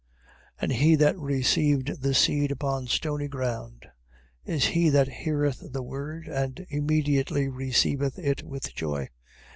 13:20. And he that received the seed upon stony ground, is he that heareth the word, and immediately receiveth it with joy.